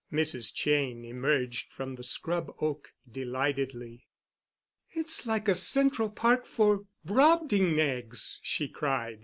Mrs. Cheyne emerged from the scrub oak delightedly. "It's like a Central Park for Brobdingnags," she cried.